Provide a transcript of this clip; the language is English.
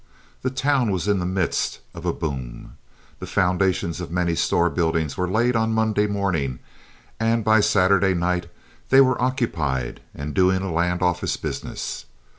The town was in the midst of a boom. The foundations of many store buildings were laid on Monday morning, and by Saturday night they were occupied and doing a land office business.